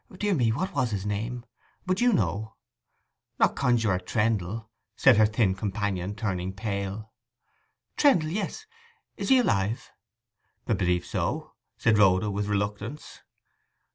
Dear me—what was his name? But you know.' 'Not Conjuror Trendle?' said her thin companion, turning pale. 'Trendle—yes. Is he alive?' 'I believe so,' said Rhoda, with reluctance.